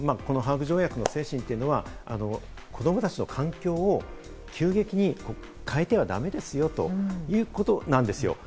ですから、このハーグ条約の精神というのは、子供たちの環境を急激に変えてはダメですよということなんですよ。